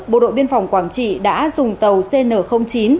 bộ đội biên phòng quảng trị đã dùng tàu cn chín